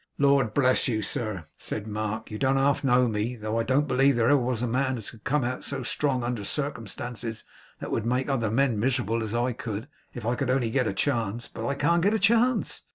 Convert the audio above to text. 'Lord bless you, sir,' said Mark, 'you don't half know me, though. I don't believe there ever was a man as could come out so strong under circumstances that would make other men miserable, as I could, if I could only get a chance. But I can't get a chance.